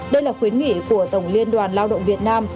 đây là khuyến nghị của tổng liên đoàn lao động việt nam